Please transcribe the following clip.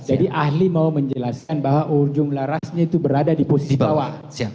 ahli mau menjelaskan bahwa ujung larasnya itu berada di posisi bawah